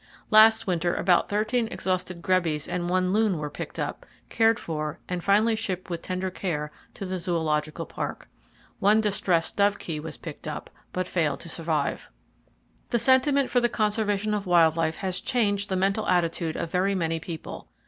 Last winter about 13 exhausted grebes and one loon were picked up, cared for and finally shipped with tender care to the Zoological Park. One distressed dovekie was picked up, but failed to survive. The sentiment for the conservation of wild life has changed the mental attitude of very many people.